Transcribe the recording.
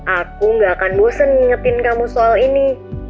aku gak akan bosen ngingetin kamu soal ini